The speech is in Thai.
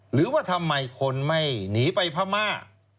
หรือว่าทำไมคนไม่หนีไปพม่า